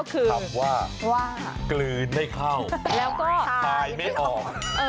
คำว่ากลืนได้เข้าคายไม่ออก